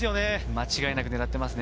間違いなく狙ってます。